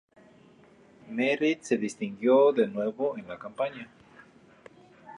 Merritt se distinguió de nuevo en la campaña.